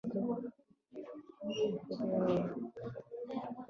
افریقا او روم د مریانو د تامین سرچینه وه.